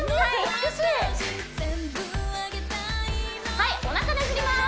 はいおなかねじります